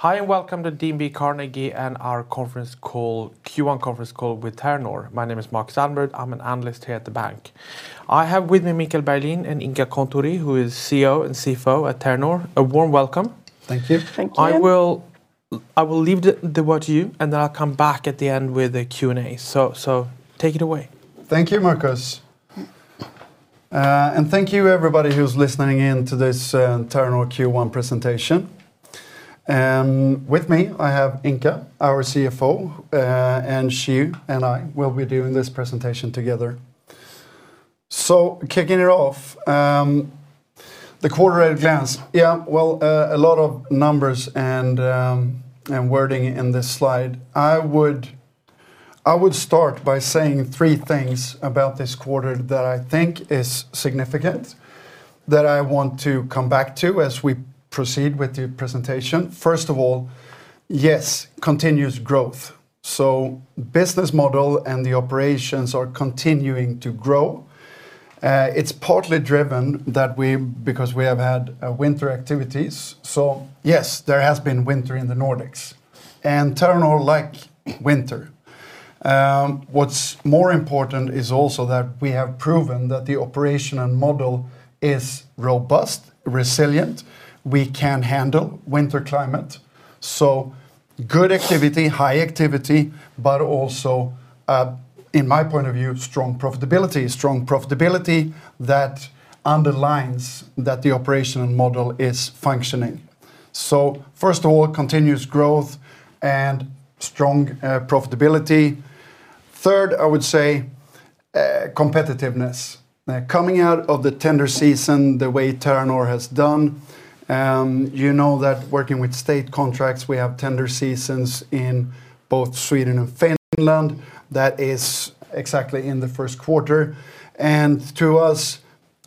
Hi, and welcome to DNB Carnegie and our conference call, Q1 conference call with Terranor. My name is Markus Almerud. I'm an analyst here at the bank. I have with me Michael Berglin and Inka Kontturi, who is CEO and CFO at Terranor. A warm welcome. Thank you. Thank you. I will leave the word to you, and then I'll come back at the end with the Q&A. Take it away. Thank you, Markus. Thank you, everybody, who's listening in to this Terranor Q1 presentation. With me, I have Inka, our CFO. She and I will be doing this presentation together. Kicking it off, the quarter at a glance. Well, a lot of numbers and wording in this slide. I would start by saying three things about this quarter that I think is significant, that I want to come back to as we proceed with the presentation. First of all, yes, continuous growth. Business model and the operations are continuing to grow. It's partly driven because we have had winter activities. Yes, there has been winter in the Nordics, and a Terranor-like winter. What's more important is also that we have proven that the operational model is robust, resilient. We can handle the winter climate. Good activity, high activity, but also, in my point of view, strong profitability. Strong profitability that underlines that the operational model is functioning. First of all, continuous growth and strong profitability. Third, I would say, competitiveness. Coming out of the tender season the way Terranor has done, you know that working with state contracts, we have tender seasons in both Sweden and Finland. That is exactly in the first quarter. To us,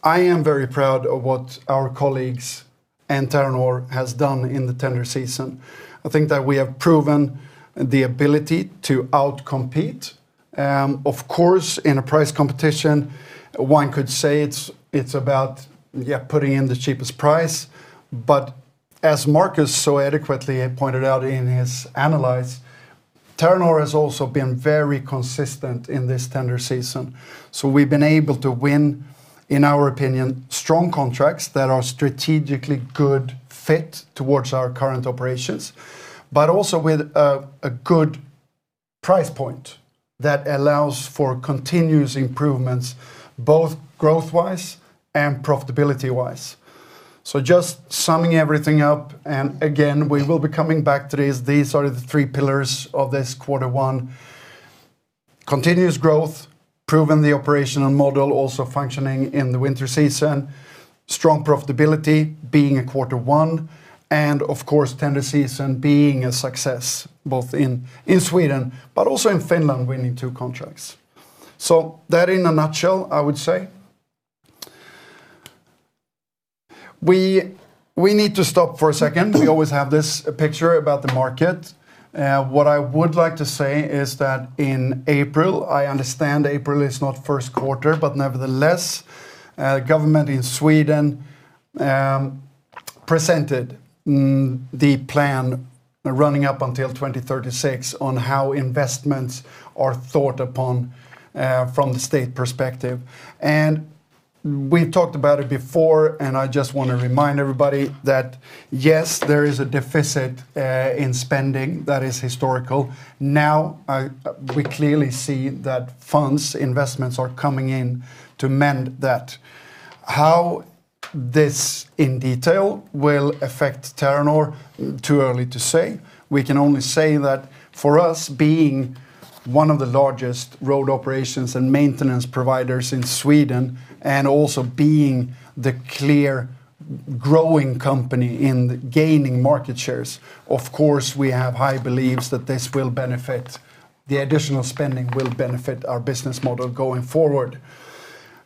I am very proud of what our colleagues and Terranor has done in the tender season. I think that we have proven the ability to out-compete. Of course, in a price competition, one could say it's about putting in the cheapest price. As Markus so adequately pointed out in his analysis, Terranor has also been very consistent in this tender season. We've been able to win, in our opinion, strong contracts that are strategically good fit towards our current operations, but also with a good price point that allows for continuous improvements, both growth-wise and profitability-wise. Just summing everything up, and again, we will be coming back to these. These are the three pillars of this Q1. Continuous growth, proving the operational model also functioning in the winter season, strong profitability being a Q1, and of course, tender season being a success, both in Sweden but also in Finland, winning two contracts. That, in a nutshell, I would say. We need to stop for a second. We always have this picture about the market. What I would like to say is that in April, I understand April is not the first quarter, but nevertheless, the government in Sweden presented the plan running up until 2036 on how investments are thought upon from the state perspective. We talked about it before, and I just wanna remind everybody that, yes, there is a deficit in spending that is historical. Now, we clearly see that funds, investments are coming in to mend that. How this will affect Terranor in detail, too early to say. We can only say that for us, being one of the largest road operations and maintenance providers in Sweden and also being the clear growing company in gaining market shares, of course, we have high beliefs that this will benefit, the additional spending will benefit our business model going forward.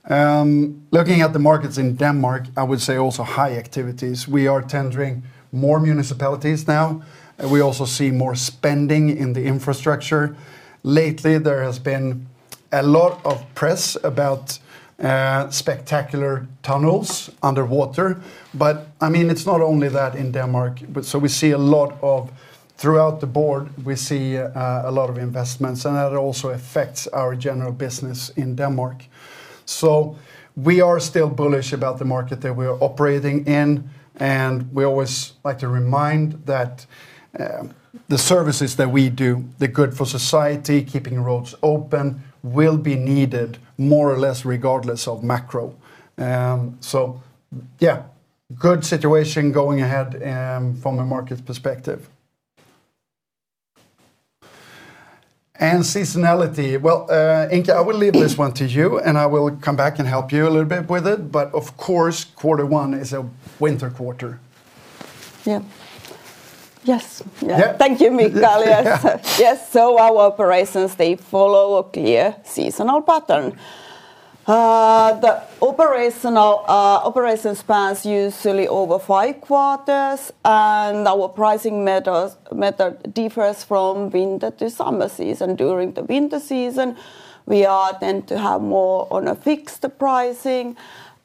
Looking at the markets in Denmark, I would say also high activities. We are tendering more municipalities now. We also see more spending in the infrastructure. Lately, there has been a lot of press about spectacular tunnels underwater, but I mean, it's not only that in Denmark. So we see a lot of, throughout the board, we see a lot of investments, and that also affects our general business in Denmark. We are still bullish about the market that we are operating in, and we always like to remind that the services that we do, the good for society, keeping roads open, will be needed more or less regardless of macro. Good situation going ahead from a market perspective. Seasonality. Well, Inka, I will leave this one to you, and I will come back and help you a little bit with it. Of course, Q1 is a winter quarter. Yeah. Yes. Yeah. Thank you, Michael Berglin. Yes, our operations, they follow a clear seasonal pattern. The operational operations span usually over five quarters, our pricing method differs from the winter to summer seasons. During the winter season, we are tend to have more on fixed pricing,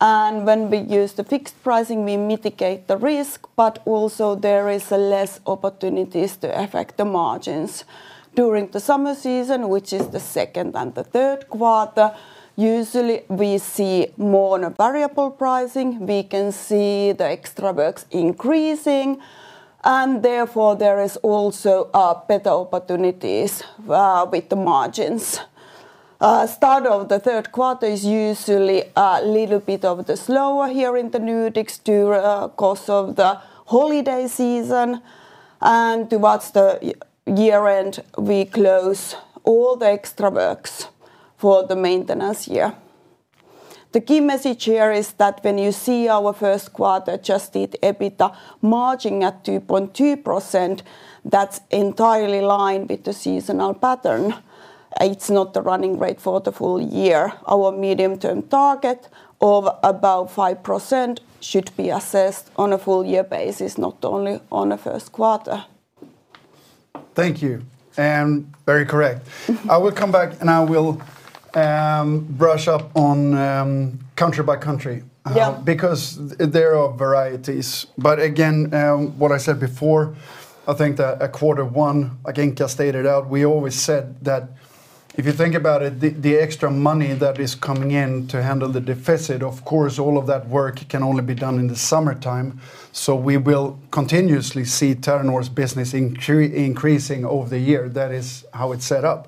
when we use the fixed pricing, we mitigate the risk, also there is less opportunities to affect the margins. During the summer season, which is the second and the third quarter, we usually see more in a variable pricing. We can see the extra work increasing, therefore there is also better opportunities with the margins. Start of the third quarter is usually a little bit of the slower here in the Nordics due course of the holiday season. Towards the year-end, we close all the extra work for the maintenance year. The key message here is that when you see our first quarter adjusted EBITDA margin at 2.2%, that's entirely in line with the seasonal pattern. It's not the running rate for the full year. Our medium-term target of about 5% should be assessed on a full-year basis, not only on a first quarter. Thank you, and very correct. I will come back, and I will brush up on country by country. Yeah Because there are varieties. Again, what I said before, I think that at quarter one, again, just stated out, we always said that if you think about it, the extra money that is coming in to handle the deficit, of course, all of that work can only be done in the summertime. We will continuously see Terranor's business increasing over the year. That is how it's set up.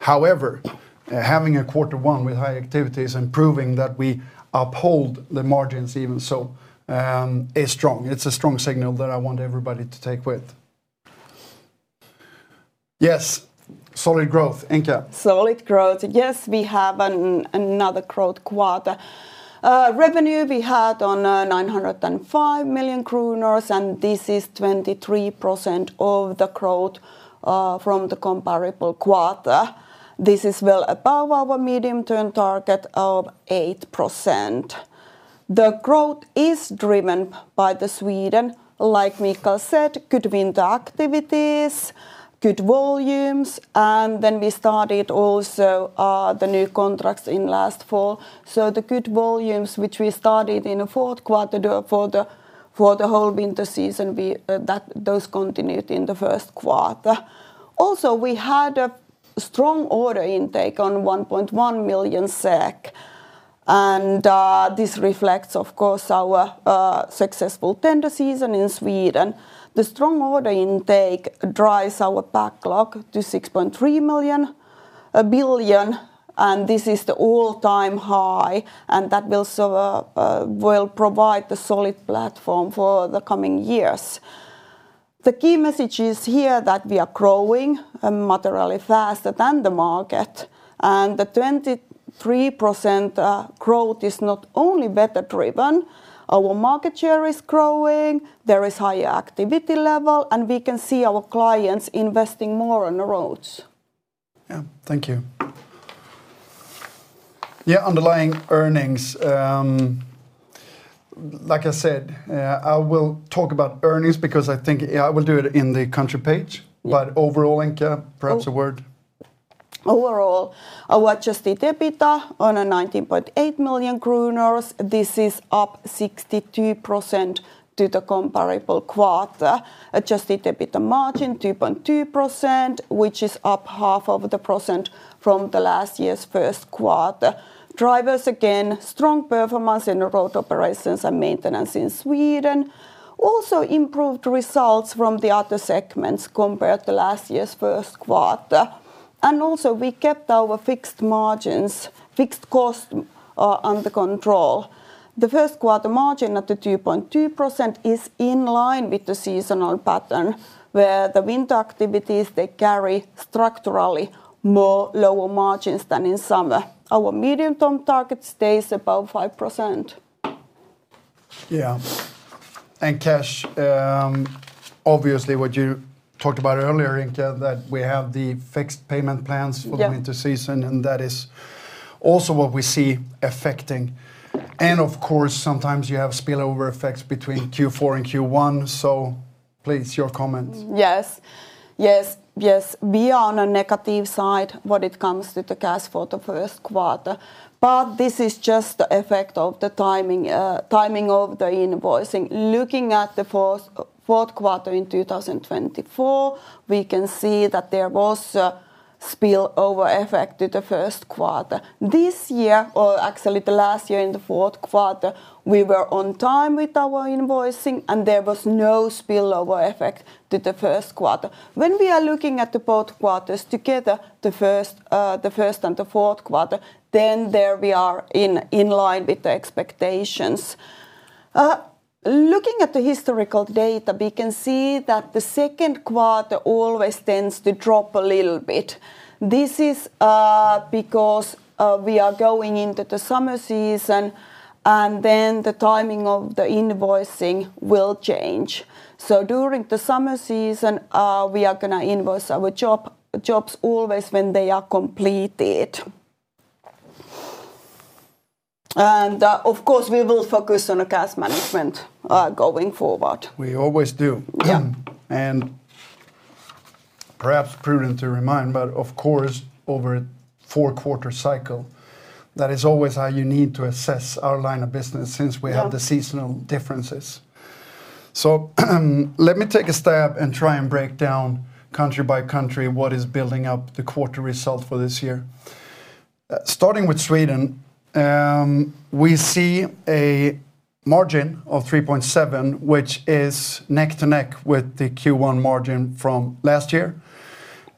However, having a quarter one with high activities and proving that we uphold the margins even so, is strong. It's a strong signal that I want everybody to take with. Yes. Solid growth, Inka. Solid growth. Yes, we have another growth quarter. Revenue we had on 905 million kronor, and this is 23% of the growth from the comparable quarter. This is well above our medium-term target of 8%. The growth is driven by Sweden, like Michael said, good winter activities, good volumes, and then we started also the new contracts in last fall. The good volumes, which we started in the fourth quarter for the whole winter season, those continued in the first quarter. Also, we had a strong order intake on 1.1 million SEK, and this reflects, of course, our successful tender season in Sweden. The strong order intake drives our backlog to 6.3 billion, and this is the all-time high, and that will provide a solid platform for the coming years. The key messages here that we are growing, and materially faster than the market, and the 23% growth is not only weather-driven. Our market share is growing. There is a high activity level, and we can see our clients investing more on the roads. Yeah, thank you. Yeah, underlying earnings, like I said, I will talk about earnings because I think, yeah, I will do it in the country page. Yeah. Overall, Inka, perhaps a word. Overall, our adjusted EBITDA on a 19.8 million kronor. This is up 62% to the comparable quarter. Adjusted EBITDA margin 2.2%, which is up half of the percent from last year's first quarter. Drivers, again, strong performance in road operations and maintenance in Sweden. Improved results from the other segments compared to last year's first quarter. We kept our fixed margins, fixed costs under control. The first quarter margin at the 2.2% is in line with the seasonal pattern, where the winter activities, they carry structurally more lower margins than in summer. Our medium-term target stays above 5%. Yeah. Cash, obviously, what you talked about earlier, Inka, that we have the fixed payment plans. Yeah For the winter season, and that is also what we see affecting. Of course, sometimes you have spillover effects between Q4 and Q1, so please, your comments. Yes. We are on a negative side when it comes to the cash for the first quarter. This is just the effect of the timing of the invoicing. Looking at the fourth quarter in 2024, we can see that there was a spillover effect to the first quarter. This year, or actually the last year in the fourth quarter, we were on time with our invoicing, and there was no spillover effect to the first quarter. We are looking at both quarters together, the first and the fourth quarter, then there we are in line with the expectations. Looking at the historical data, we can see that the second quarter always tends to drop a little bit. This is because we are going into the summer season, and then the timing of the invoicing will change. During the summer season, we are gonna invoice our jobs always when they are completed. Of course, we will focus on cash management going forward. We always do. Yeah. Perhaps prudent to remind, but of course, over a four-quarter cycle, that is always how you need to assess our line of business. Yeah Since we have the seasonal differences. Let me take a step and try and break down country by country what is building up the quarter result for this year. Starting with Sweden, we see a margin of 3.7%, which is neck to neck with the Q1 margin from last year.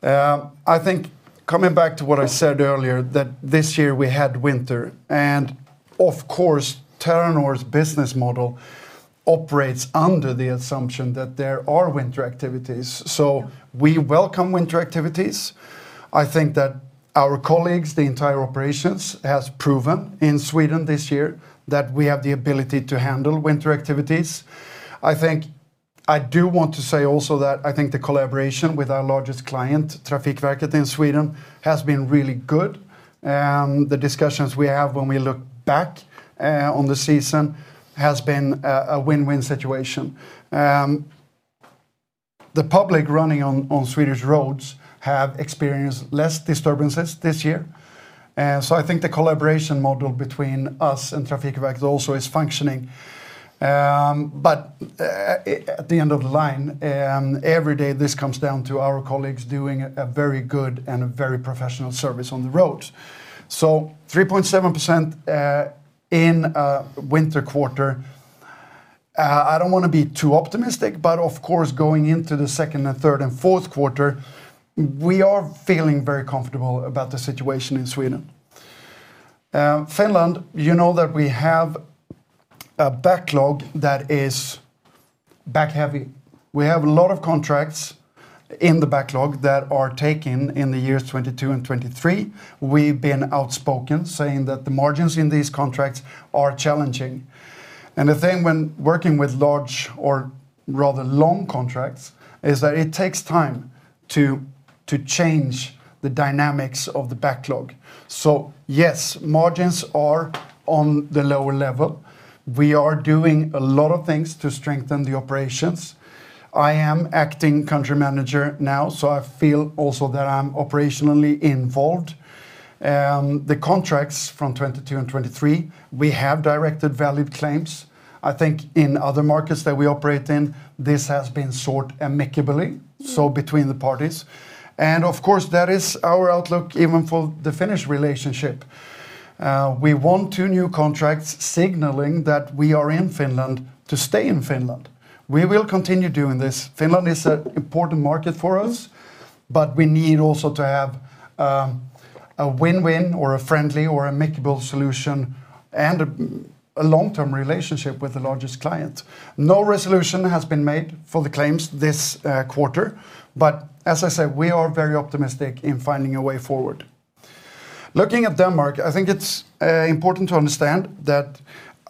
I think coming back to what I said earlier, that this year we had winter, and of course, Terranor's business model operates under the assumption that there are winter activities. We welcome winter activities. I think that our colleagues, the entire operations, has proven in Sweden this year that we have the ability to handle winter activities. I think I do want to say also that I think the collaboration with our largest client, Trafikverket in Sweden, has been really good. The discussions we have when we look back on the season has been a win-win situation. The public running on Swedish roads have experienced less disturbances this year. I think the collaboration model between Trafikverket and us is functioning. At the end of the line, every day, this comes down to our colleagues doing a very good and a very professional service on the roads. 3.7% in a winter quarter, I don't want to be too optimistic, but of course, going into the second, and third, and fourth quarters, we are feeling very comfortable about the situation in Sweden. Finland, you know that we have a backlog that is back-heavy. We have a lot of contracts in the backlog that are taking in the years 2022 and 2023. We've been outspoken, saying that the margins in these contracts are challenging. The thing when working with large or rather long contracts is that it takes time to change the dynamics of the backlog. Yes, margins are on the lower level. We are doing a lot of things to strengthen the operations. I am acting Country Manager now, so I feel also that I'm operationally involved. The contracts from 2022 and 2023, we have directed valid claims. I think in other markets that we operate in, this has been sorted out amicably. Between the parties. Of course, that is our outlook even for the Finnish relationship. We want two new contracts signaling that we are in Finland to stay in Finland. We will continue doing this. Finland is an important market for us, but we also need to have a win-win or a friendly or amicable solution and a long-term relationship with the largest client. No resolution has been made for the claims this quarter, but as I said, we are very optimistic in finding a way forward. Looking at Denmark, I think it's important to understand that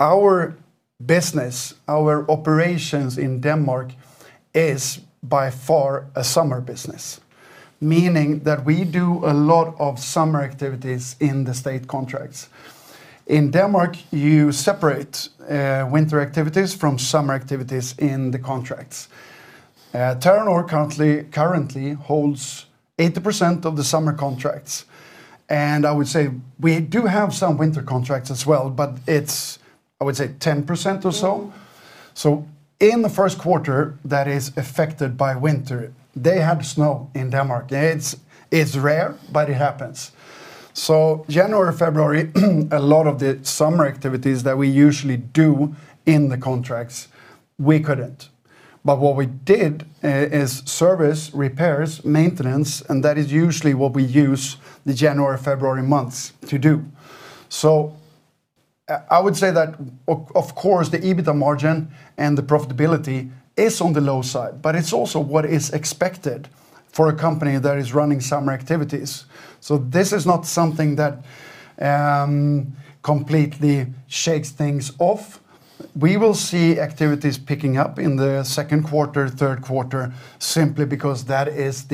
our business, our operations in Denmark, is by far a summer business, meaning that we do a lot of summer activities in the state contracts. In Denmark, you separate winter activities from summer activities in the contracts. Terranor currently holds 80% of the summer contracts, and I would say we do have some winter contracts as well, but it's, I would say, 10% or so. In the first quarter that is affected by winter, they had snow in Denmark. It's rare, but it happens. January and February, a lot of the summer activities that we usually do in the contracts, we couldn't. What we did is service, repairs, maintenance, and that is usually what we use the January and February months to do. I would say that, of course, the EBITA margin and the profitability is on the low side, but it's also what is expected for a company that is running summer activities. This is not something that completely shakes things off. We will see activities picking up in the second quarter, third quarter, simply because that is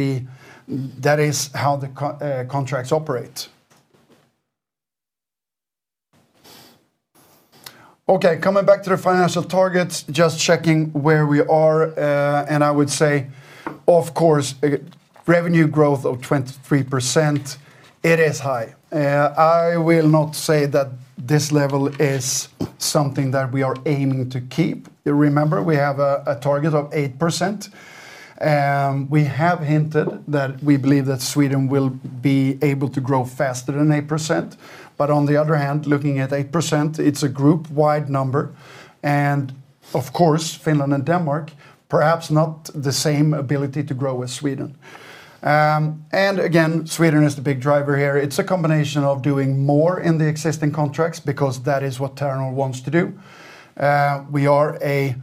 how the contracts operate. Okay, coming back to the financial targets, just checking where we are. I would say, of course, a revenue growth of 23%, it is high. I will not say that this level is something that we are aiming to keep. Remember, we have a target of 8%, we have hinted that we believe that Sweden will be able to grow faster than 8%, on the other hand, looking at 8%, it's a group-wide number. Of course, Finland and Denmark perhaps not the same ability to grow as Sweden. Again, Sweden is the big driver here. It's a combination of doing more in the existing contracts because that is what Terranor wants to do. We are a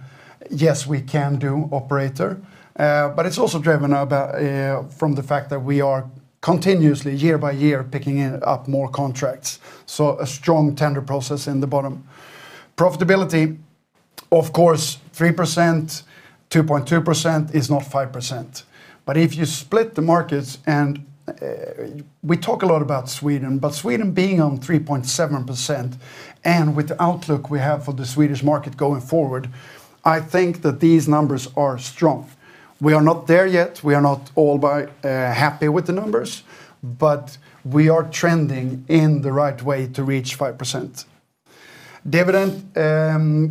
"Yes, we can do" operator. It's also driven by from the fact that we are continuously, year by year, picking up more contracts. A strong tender process in the bottom. Profitability, of course, 3%, 2.2% is not 5%. If you split the markets and we talk a lot about Sweden, but Sweden being on 3.7%, and with the outlook we have for the Swedish market going forward, I think that these numbers are strong. We are not there yet. We are not all by happy with the numbers, but we are trending in the right way to reach 5%. Dividend,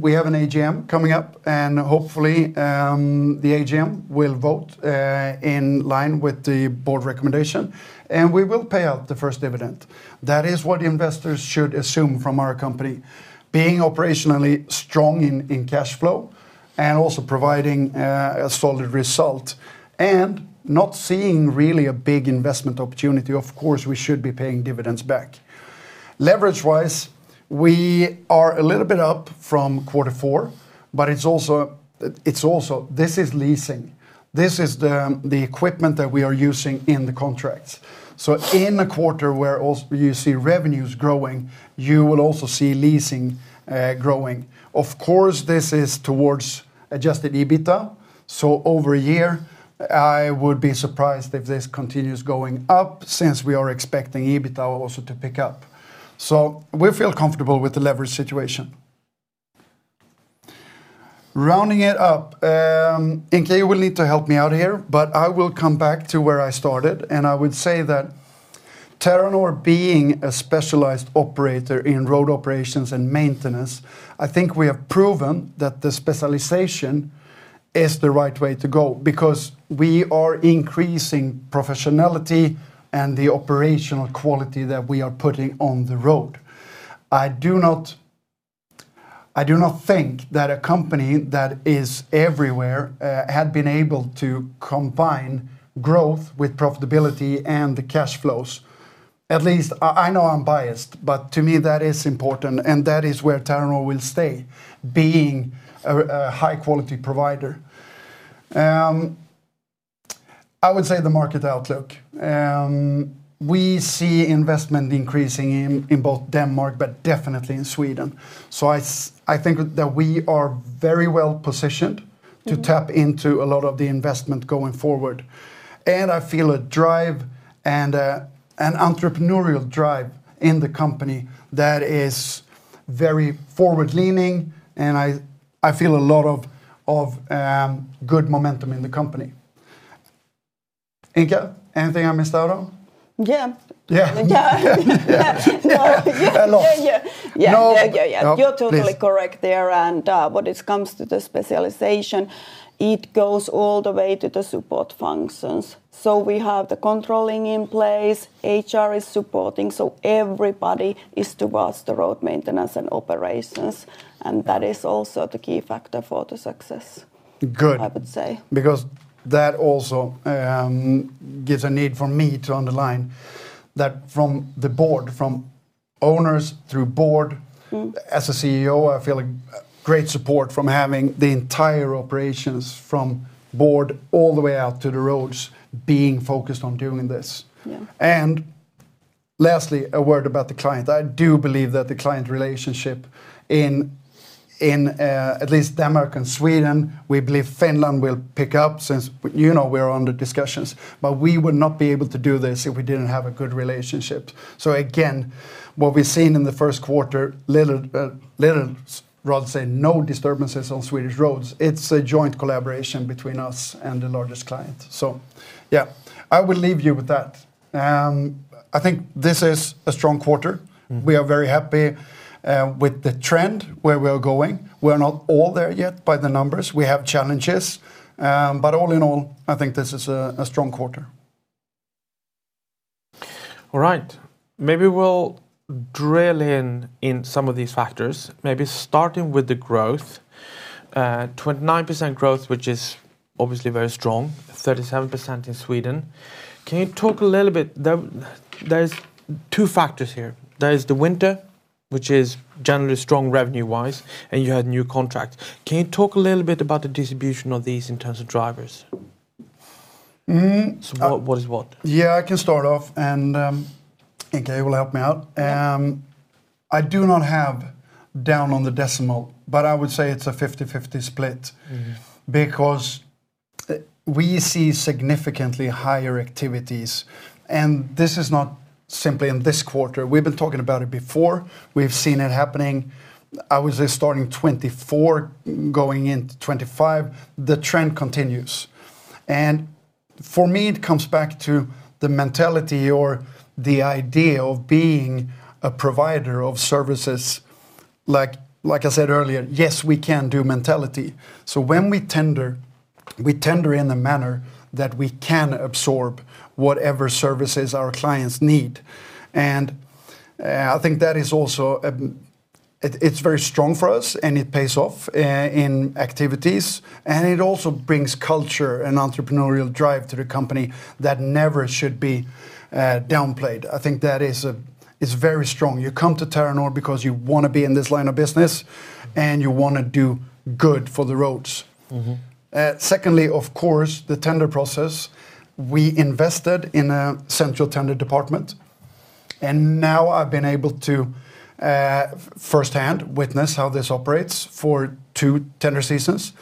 we have an AGM coming up, and hopefully, the AGM will vote in line with the board recommendation, and we will pay out the first dividend. That is what investors should assume from our company. Being operationally strong in cash flow and also providing a solid result, and not seeing really a big investment opportunity, of course, we should be paying dividends back. Leverage-wise, we are a little bit up from Q4, but it's also, this is leasing. This is the equipment that we are using in the contracts. In a quarter where you see revenues growing, you will also see leasing growing. Of course, this is towards adjusted EBITDA, so over a year, I would be surprised if this continues going up since we are expecting EBITDA also to pick up. We feel comfortable with the leverage situation. Rounding it up, Inka will need to help me out here, but I will come back to where I started, and I would say that Terranor, being a specialized operator in road operations and maintenance, I think we have proven that the specialization is the right way to go because we are increasing professionality and the operational quality that we are putting on the road. I do not think that a company that is everywhere had been able to combine growth with profitability and cash flows. At least, I know I'm biased, but to me, that is important, and that is where Terranor will stay, being a high-quality provider. I would say the market outlook. We see investment increasing in both Denmark but definitely in Sweden. I think that we are very well-positioned to tap into a lot of the investment going forward. I feel a drive and an entrepreneurial drive in the company that is very forward-leaning, and I feel a lot of good momentum in the company. Inka, anything I missed out on? Yeah. Yeah. Yeah. Yeah. No. I lost. Yeah, yeah. No. Yeah, yeah, yeah. No? Please. You're totally correct there, and when it comes to the specialization, it goes all the way to the support functions. We have the controlling in place, HR is supporting, so everybody is towards the road to maintenance and operations, and that is also the key factor for the success. Good. I would say. That also gives a need for me to underline that from the board, from the owners, through. As a CEO, I feel great support from having the entire operations from the board all the way out to the roads being focused on doing this. Yeah. Lastly, a word about the client. I do believe that the client relationship in, at least Denmark and Sweden, we believe Finland will pick up since, you know, we're under discussion. We would not be able to do this if we didn't have a good relationship. Again, what we've seen in the first quarter, little, rather say, no disturbances on Swedish roads. It's a joint collaboration between the largest client and us. Yeah, I will leave you with that. I think this is a strong quarter. We are very happy with the trend, where we're going. We're not all there yet by the numbers. We have challenges, but all in all, I think this is a strong quarter. All right. Maybe we'll drill in some of these factors, maybe starting with the growth. 29% growth, which is obviously very strong, 37% in Sweden. Can you talk a little bit? There are two factors here. There is the winter, which is generally strong revenue-wise, and you had new contracts. Can you talk a little bit about the distribution of these in terms of drivers? What, what is what? Yeah, I can start off, and Inka Kontturi will help me out. Yeah. I do not have down on the decimal, but I would say it's a 50/50 split. We see significantly higher activities. This is not simply in this quarter. We've been talking about it before. We've seen it happening, I would say, starting in 2024, going into 2025. The trend continues. For me, it comes back to the mentality or the idea of being a provider of services. Like I said earlier, "Yes, we can do" mentality. When we tender, we tender in a manner that we can absorb whatever services our clients need. I think that is also a, it's very strong for us, and it pays off in activities, and it also brings culture and entrepreneurial drive to the company that should never be downplayed. I think that is very strong. You come to Terranor because you wanna be in this line of business. You wanna do good for the roads. Secondly, of course, the tender process. We invested in a central tender department. Now I've been able to firsthand witness how this operates for two tender seasons.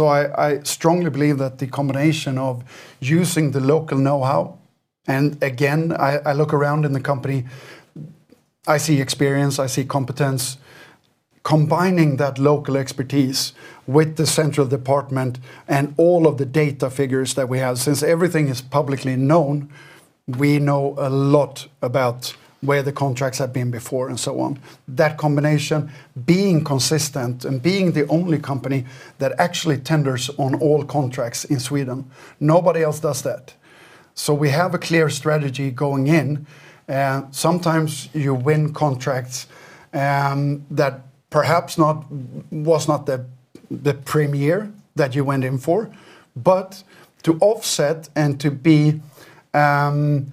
I strongly believe that the combination of using the local know-how, and again, I look around in the company, I see experience, I see competence. Combining that local expertise with the central department and all of the data figures that we have, since everything is publicly known, we know a lot about where the contracts have been before, and so on. That combination, being consistent and being the only company that actually tenders on all contracts in Sweden, nobody else does that. We have a clear strategy going in. Sometimes you win contracts that perhaps was not the premier that you went in for, but to offset and to be a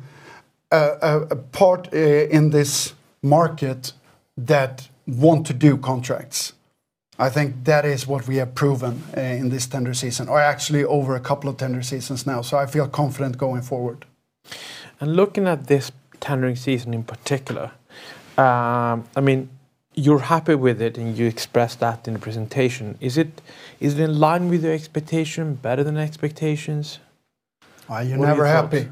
part in this market that wants to do contracts, I think that is what we have proven in this tender season, or actually over a couple of tender seasons now. I feel confident going forward. Looking at this tendering season in particular, I mean, you're happy with it, and you expressed that in the presentation. Is it in line with your expectations, better than expectations? What do you feel? Oh, you're never happy.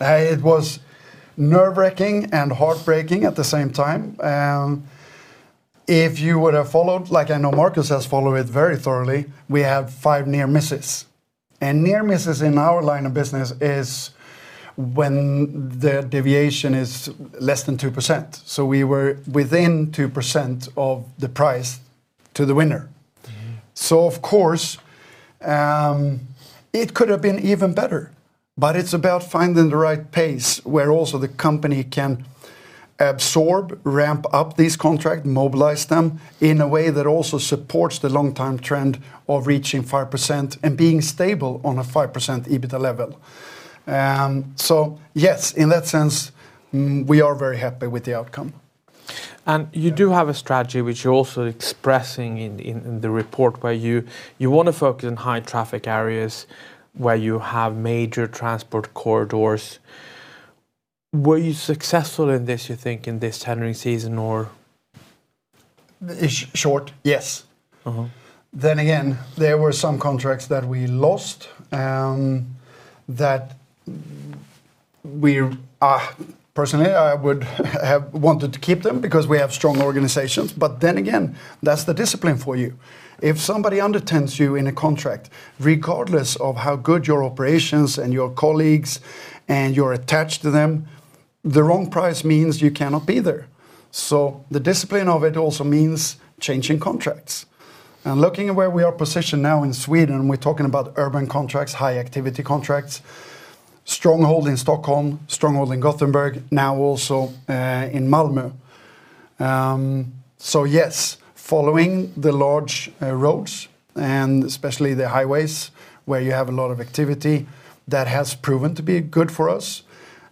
It was nerve-wracking and heartbreaking at the same time. If you would have followed, like I know Markus has followed it very thoroughly, we have five near misses, and near misses in our line of business is when the deviation is less than 2%. We were within 2% of the price to the winner. Of course, it could have been even better, but it's about finding the right pace where the company can also absorb, ramp up this contract, mobilize them in a way that also supports the long-term trend of reaching 5% and being stable on a 5% EBITDA level. Yes, in that sense, we are very happy with the outcome. You do have a strategy, which you're also expressing in the report, where you wanna focus on high traffic areas where you have major transport corridors. Were you successful in this, you think, in this tendering season, or? Short, yes. There were some contracts that we lost that we, personally, I would have wanted to keep them because we have strong organizations. That's the discipline for you. If somebody undertakes you in a contract, regardless of how good your operations and your colleagues and you're attached to them, the wrong price means you cannot be there. The discipline of it also means changing contracts. Looking at where we are positioned now in Sweden, we're talking about urban contracts, high activity contracts, stronghold in Stockholm, stronghold in Gothenburg, now also in Malmö. Yes, following the large roads and especially the highways, where you have a lot of activity, has proven to be good for us.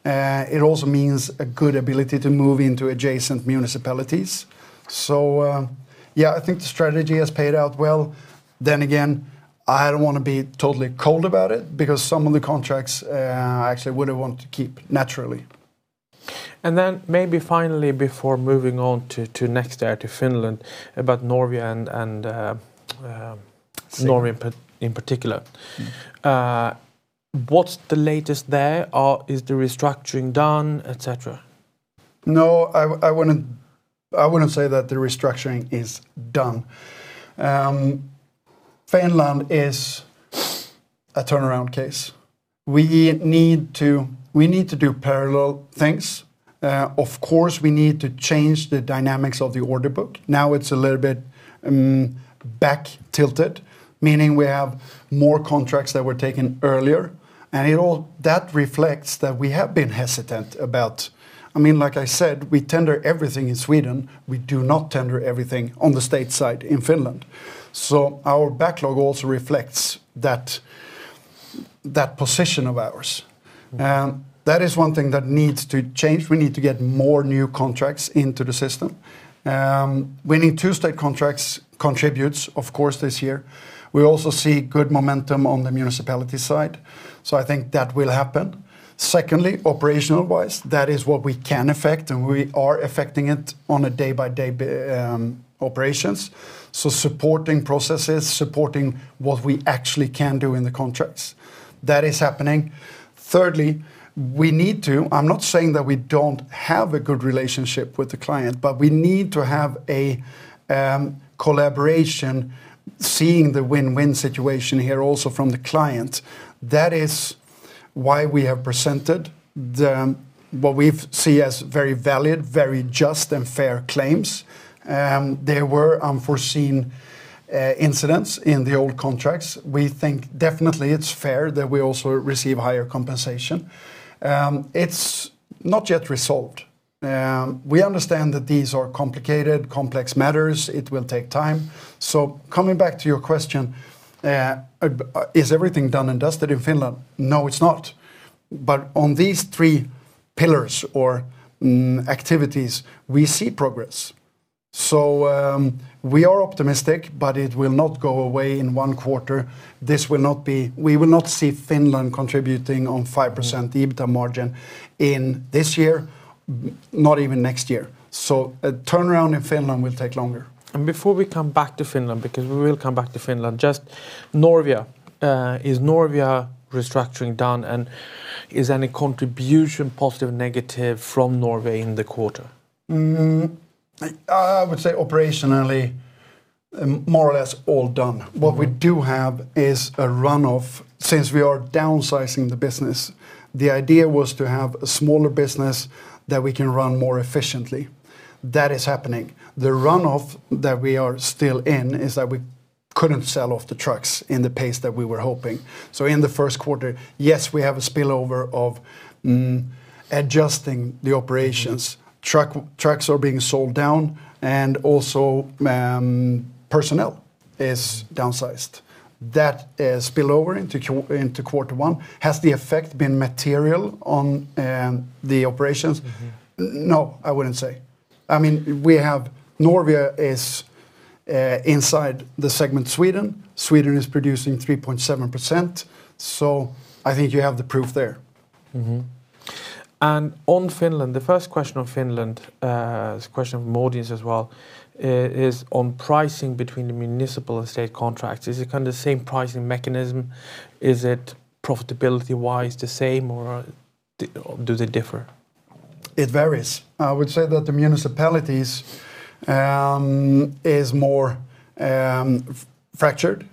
It also means a good ability to move into adjacent municipalities. Yeah, I think the strategy has paid out well. I don't wanna be totally cold about it because some of the contracts, I actually would've wanted to keep naturally. Maybe finally, before moving on to the next area, to Finland, about Norvia. Sí Norvia in particular, what's the latest there? Is the restructuring done, et cetera? No, I wouldn't say that the restructuring is done. Finland is a turnaround case. We need to do parallel things. Of course, we need to change the dynamics of the order book. Now it's a little bit back tilted, meaning we have more contracts that were taken earlier, that reflects that we have been hesitant about, I mean, like I said, we tender everything in Sweden. We do not tender everything on the state side in Finland. Our backlog also reflects that position of ours. That is one thing that needs to change. We need to get more new contracts into the system. We need two state contracts to contribute, of course, this year. We also see good momentum on the municipality side. I think that will happen. Secondly, operational-wise, that is what we can affect, and we are affecting it on a day-by-day operations, supporting processes, supporting what we actually can do in the contracts. That is happening. We need to, I'm not saying that we don't have a good relationship with the client, we need to have a collaboration, seeing the win-win situation here also from the client. That is why we have presented the, what we see as very valid, very just, and fair claims. There were unforeseen incidents in the old contracts. We definitely think it's fair that we also receive higher compensation. It's not yet resolved. We understand that these are complicated, complex matters. It will take time. Coming back to your question, is everything done and dusted in Finland? No, it's not. On these three pillars or activities, we see progress. We are optimistic, but it will not go away in one quarter. This will not see Finland contributing on 5% EBITDA margin in this year, not even next year. A turnaround in Finland will take longer. Before we come back to Finland, because we will come back to Finland, just Norvia. Is Norvia restructuring done, and is any contribution positive, negative from Norvia in the quarter? I would say operationally, more or less all done. What we do have is a runoff. Since we are downsizing the business, the idea was to have a smaller business that we can run more efficiently. That is happening. The runoff that we are still in is that we couldn't sell off the trucks in the pace that we were hoping. In Q1, yes, we have a spillover of adjusting the operations. Trucks are being sold down, and also, personnel is downsized. That is spillover into Q1. Has the effect been material on the operations? No, I wouldn't say. I mean, we have Norvia is inside the segment Sweden. Sweden is producing 3.7%. I think you have the proof there. Mm-hmm. On Finland, the first question on Finland, it's a question from audience as well, is on pricing between the municipal and state contracts. Is it kind of the same pricing mechanism? Is it profitability-wise the same, or do they differ? It varies. I would say that the municipalities is more fractured.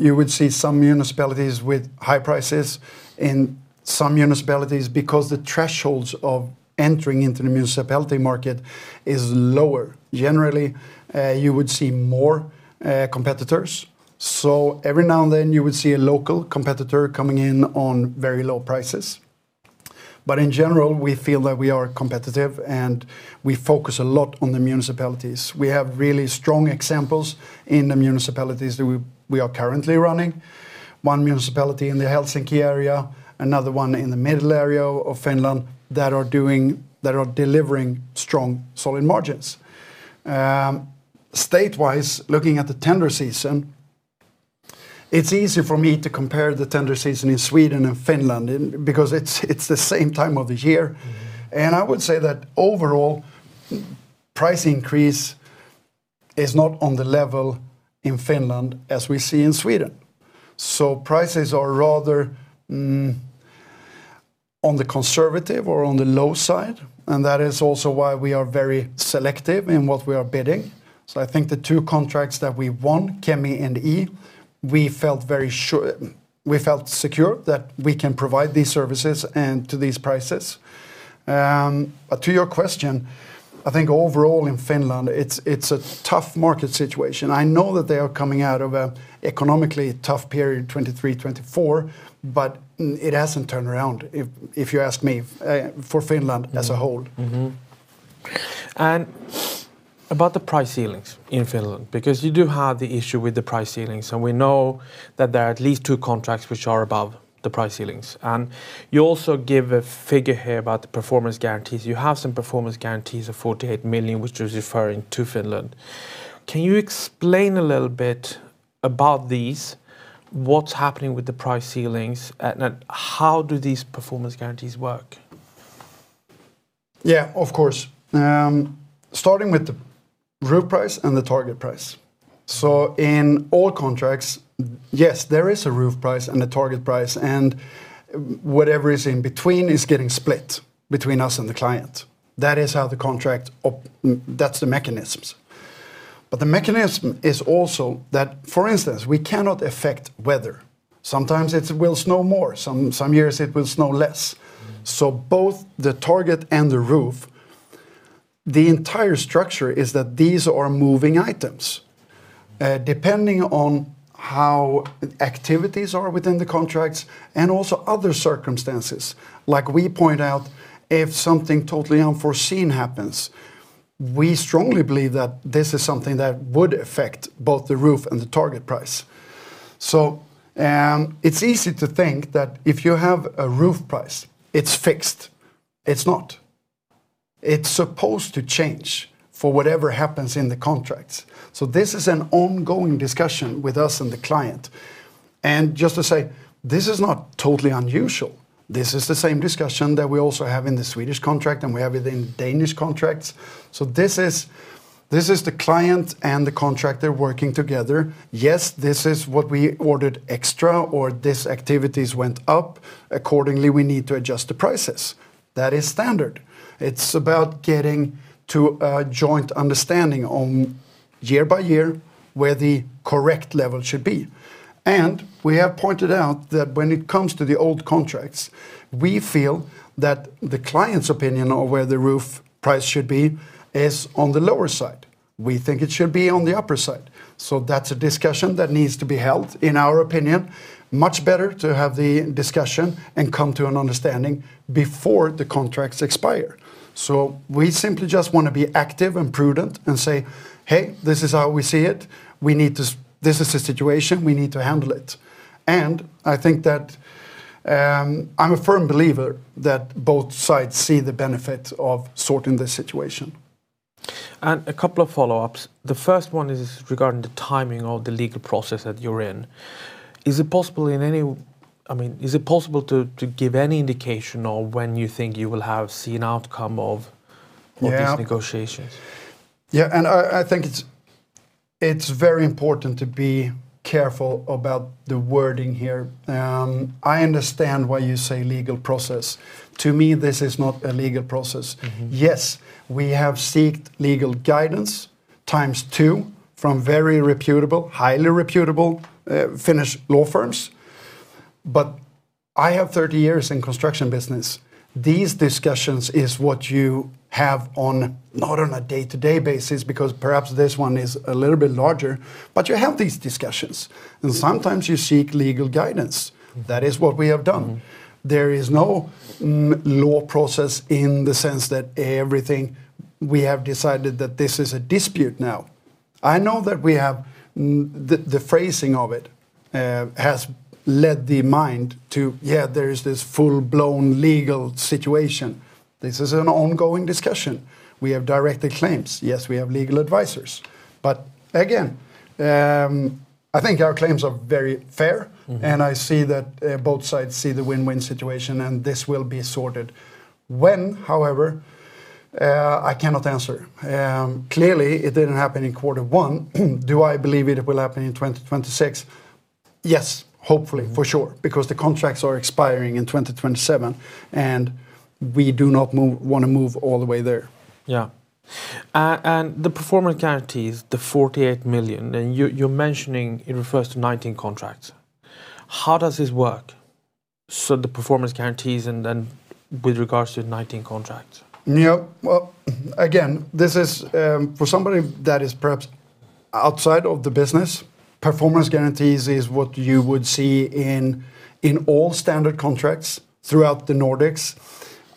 You would see some municipalities with high prices, and some municipalities, because the thresholds of entering into the municipality market is lower, generally, you would see more competitors. Every now and then, you would see a local competitor coming in on very low prices. In general, we feel that we are competitive, and we focus a lot on the municipalities. We have really strong examples in the municipalities that we are currently running. One municipality in the Helsinki area, another one in the middle area of Finland, that are delivering strong, solid margins. State-wise, looking at the tender season, it's easy for me to compare the tender season in Sweden and Finland because it's the same time of the year. I would say that overall, the price increase is not on the same level in Finland as we see in Sweden. Prices are rather on the conservative or on the low side, and that is also why we are very selective in what we are bidding. I think the two contracts that we won, Kemi and Ii, we felt secure that we can provide these services and at these prices. To your question, I think overall in Finland, it's a tough market situation. I know that they are coming out of an economically tough period, 2023, 2024, but it hasn't turned around, if you ask me, for Finland as a whole. Mm-hmm. Mm-hmm. About the price ceilings in Finland, because you do have the issue with the price ceilings, and we know that there are at least two contracts which are above the price ceilings. You also give a figure here about the performance guarantees. You have some performance guarantees of 48 million, which you're referring to Finland. Can you explain a little bit about these, what's happening with the price ceilings, and how do these performance guarantees work? Yeah, of course. Starting with the roof price and the target price. In all contracts, yes, there is a roof price and a target price, and whatever is in between is getting split between the client and us. That is how the contract. That's the mechanisms. The mechanism is also that, for instance, we cannot affect the weather. Sometimes it will snow more, some years it will snow less Both the target and the roof, the entire structure, is that these are moving items, depending on how activities are within the contracts and also other circumstances. Like we point out, if something totally unforeseen happens, we strongly believe that this is something that would affect both the roof and the target price. It's easy to think that if you have a roof price, it's fixed. It's not. It's supposed to change for whatever happens in the contracts. This is an ongoing discussion with the client and us. Just to say, this is not totally unusual. This is the same discussion that we also have in the Swedish contract, and we have it in Danish contracts. This is, this is the client and the contractor working together. Yes, this is what we ordered extra, or these activities went up. Accordingly, we need to adjust the prices. That is standard. It's about getting to a joint understanding on, year-by-year, where the correct level should be. We have pointed out that when it comes to the old contracts, we feel that the client's opinion of where the roof price should be is on the lower side. We think it should be on the upper side. That's a discussion that needs to be held, in our opinion. Much better to have the discussion and come to an understanding before the contracts expire. We simply just wanna be active and prudent and say, "Hey, this is how we see it. This is the situation. We need to handle it." I think I'm a firm believer that both sides see the benefit of sorting the situation. A couple of follow-ups. The first one is regarding the timing of the legal process that you're in. I mean, is it possible to give any indication of when you think you will have seen the outcome of, Yeah, These negotiations? Yeah, I think it's very important to be careful about the wording here. I understand why you say legal process. To me, this is not a legal process. Yes, we have sought legal guidance 2x from very reputable, highly reputable Finnish law firms. I have 30 years in the construction business. These discussions is what you have on, not on a day-to-day basis, because perhaps this 1 is a little bit larger, but you have these discussions. Sometimes you seek legal guidance. That is what we have done. There is no law process in the sense that everything we have decided that this is a dispute now. I know that we have the phrasing of it has led the mind to, yeah, there is this full-blown legal situation. This is an ongoing discussion. We have directed claims. Yes, we have legal advisors, but again, I think our claims are very fair. I see that both sides see the win-win situation, and this will be sorted. When, however, I cannot answer. Clearly, it didn't happen in quarter one. Do I believe it will happen in 2026? Yes, hopefully. for sure, because the contracts are expiring in 2027, and we do not wanna move all the way there. Yeah. The performance guarantees, the 48 million, you're mentioning it refers to 19 contracts. How does this work? The performance guarantees with regard to the 19 contracts. Well, again, this is, for somebody that is perhaps outside of the business, performance guarantees is what you would see in all standard contracts throughout the Nordics.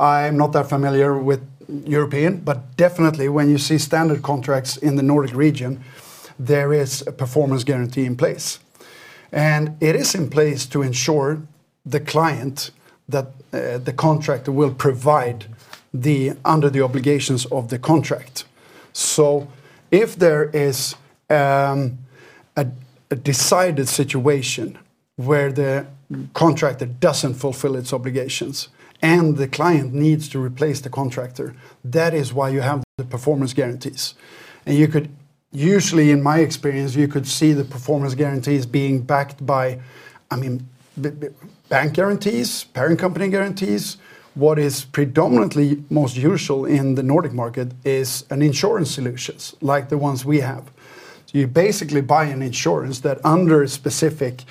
I am not that familiar with European, but definitely when you see standard contracts in the Nordic region, there is a performance guarantee in place, and it is in place to ensure the client that the contractor will provide under the obligations of the contract. If there is a decided situation where the contractor doesn't fulfill its obligations and the client needs to replace the contractor, that is why you have the performance guarantees, and you could usually, in my experience, you could see the performance guarantees being backed by, I mean, the bank guarantees, parent company guarantees. What is predominantly most usual in the Nordic market is insurance solutions like the ones we have. You basically buy an insurance that, under specific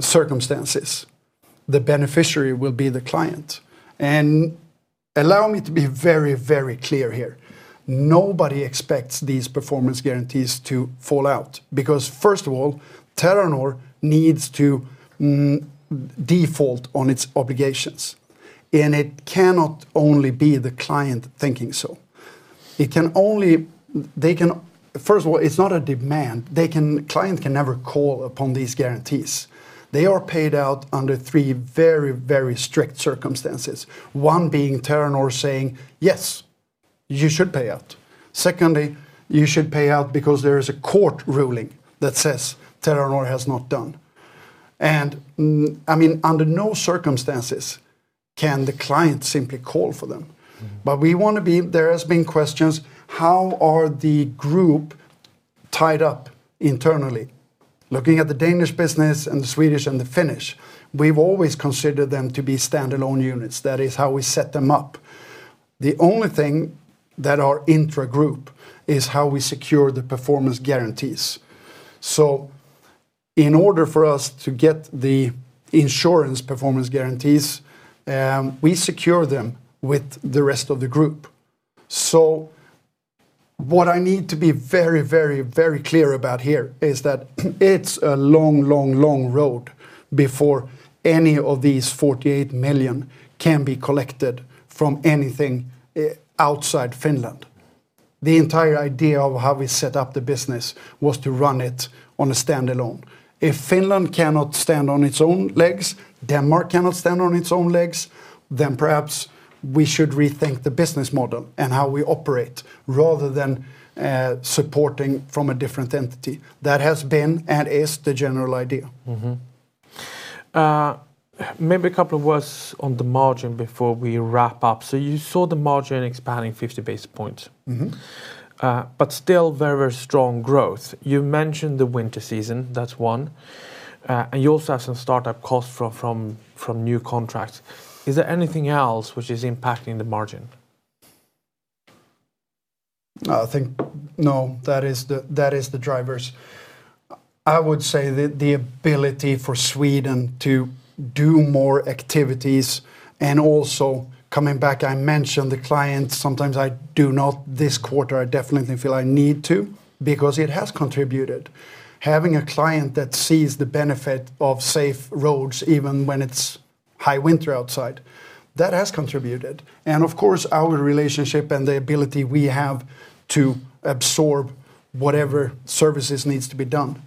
circumstances, the beneficiary will be the client. Allow me to be very, very clear here. Nobody expects these performance guarantees to fall out because, first of all, Terranor needs to default on its obligations, and it cannot be only the client thinking so. It can only First of all, it's not a demand. The client can never call upon these guarantees. They are paid out under three very, very strict circumstances. One being Terranor saying, "Yes, you should pay out." Secondly, you should pay out because there is a court ruling that says Terranor has not done. I mean, under no circumstances can the client simply call for them. There has been questions, how are the group is tied up internally? Looking at the Danish business, and the Swedish, and the Finnish, we've always considered them to be standalone units. That is how we set them up. The only thing that are intra-group is how we secure the performance guarantees. In order for us to get the insurance performance guarantees, we secure them with the rest of the group. What I need to be very, very, very clear about here is that it's a long, long, long road before any of these 48 million can be collected from anything outside Finland. The entire idea of how we set up the business was to run it on a standalone. If Finland cannot stand on its own legs, Denmark cannot stand on its own legs, then perhaps we should rethink the business model and how we operate, rather than supporting from a different entity. That has been and is the general idea. Maybe a couple of words on the margin before we wrap up. You saw the margin expanding by 50 basis points. Still very strong growth. You mentioned the winter season, that is one. You also have some start-up costs from new contracts. Is there anything else which is impacting the margin? I think, no, that is the drivers. I would say the ability for Sweden to do more activities, and also coming back, I mentioned the clients. Sometimes I do not. This quarter, I definitely feel I need to, because it has contributed. Having a client who sees the benefit of safe roads even when it's high winter outside, that has contributed. Of course, our relationship and the ability we have to absorb whatever services need to be done.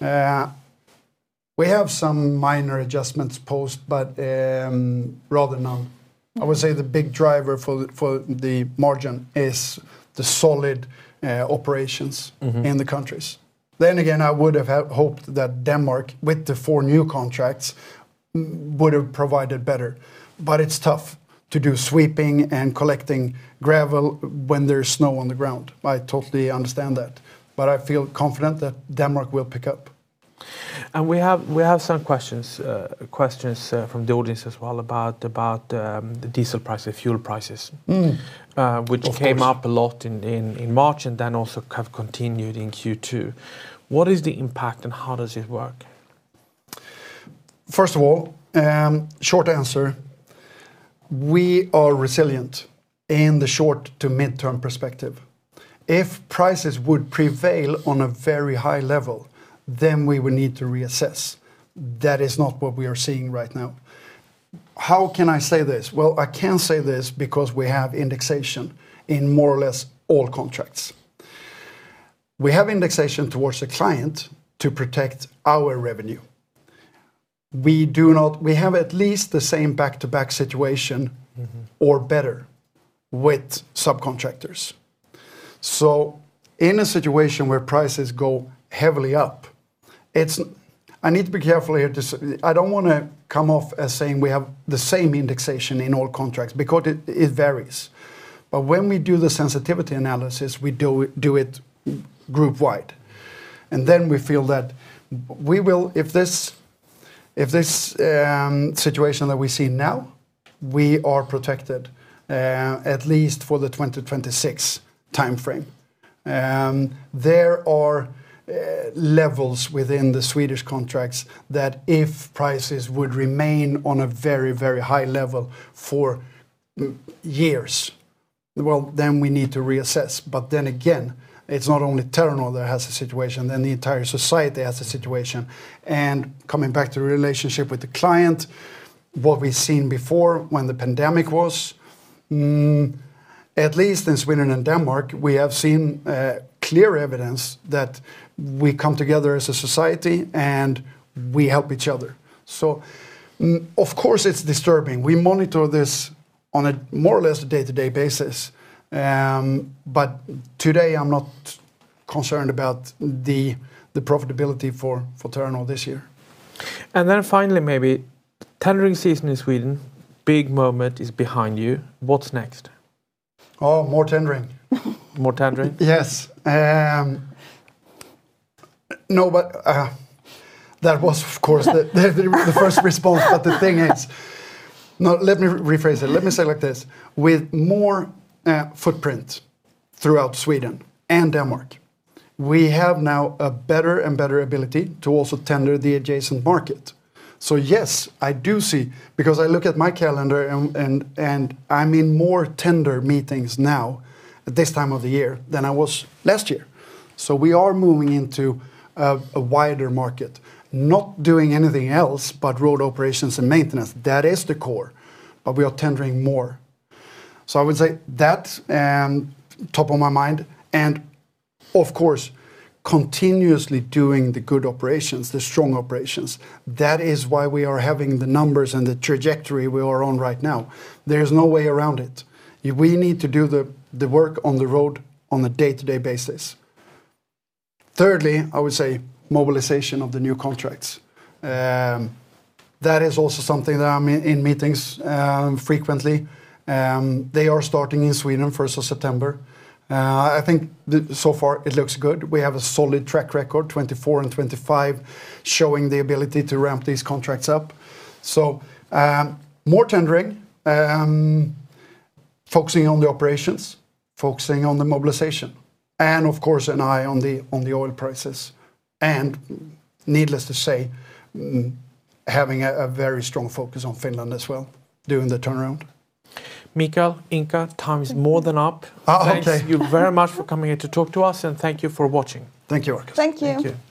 We have some minor adjustments post, but rather none. I would say the big driver for the margin is the solid operations. in the countries. Again, I would have hoped that Denmark, with the four new contracts, would have provided better. It's tough to do sweeping and collecting gravel when there's snow on the ground. I totally understand that, but I feel confident that Denmark will pick up. We have some questions from the audience as well about the diesel price and the fuel prices. Of course. which came up a lot in March, and then also have continued in Q2. What is the impact, and how does it work? First of all, short answer, we are resilient in the short to mid-term perspective. If prices would prevail on a very high level, we would need to reassess. That is not what we are seeing right now. How can I say this? Well, I can say this because we have indexation in more or less all contracts. We have indexation towards the client to protect our revenue. We have at least the same back-to-back situation, or better, with subcontractors. In a situation where prices go heavily up, I need to be careful here. Just, I don't want to come off as saying we have the same indexation in all contracts because it varies. When we do the sensitivity analysis, we do it group-wide, and then we feel that we will, if this situation that we see now, we are protected, at least for the 2026 timeframe. There are levels within the Swedish contracts that, if prices would remain on a very, very high level for many years, then we need to reassess. Then again, it's not only Terranor that has a situation, the entire society has a situation. Coming back to the relationship with the client, what we've seen before, when the pandemic was, at least in Sweden and Denmark, we have seen clear evidence that we come together as a society, and we help each other. Of course, it's disturbing. We monitor this on a more or less day-to-day basis. Today, I'm not concerned about the profitability for Terranor this year. Finally, maybe, the tendering season in Sweden, the big moment is behind you. What's next? Oh, more tendering. More tendering? Yes. No, that was, of course, the first response. The thing is, no, let me rephrase it. Let me say like this. With more footprint throughout Sweden and Denmark, we now have a better and better ability to also tender the adjacent market. Yes, I do see, because I look at my calendar and I'm in more tender meetings now at this time of the year than I was last year. We are moving into a wider market, not doing anything else but road operations and maintenance. That is the core, we are tendering more. I would say that top of my mind, and of course, continuously doing the strong operations. That is why we are having the numbers and the trajectory we are on right now. There's no way around it. We need to do the work on the road on a day-to-day basis. Thirdly, I would say the mobilization of the new contracts. That is also something that I'm in meetings frequently. They are starting in Sweden, first of September. I think so far it looks good. We have a solid track record, 2024 and 2025, showing the ability to ramp these contracts up. More tendering, focusing on the operations, focusing on the mobilization, and of course, an eye on the oil prices, and needless to say, having a very strong focus on Finland as well during the turnaround. Michael, Inka, time is more than up. Oh, okay. Thank you very much for coming in to talk to us, and thank you for watching. Thank you, Markus. Thank you. Thank you.